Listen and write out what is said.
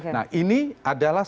nah ini adalah